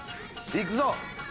いくぞ！